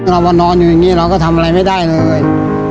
เรามานอนอยู่อย่างนี้เราก็ทำอะไรไม่ได้เลย